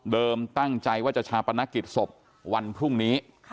ตั้งใจว่าจะชาปนกิจศพวันพรุ่งนี้